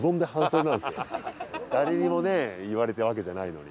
誰にもね言われたわけじゃないのに。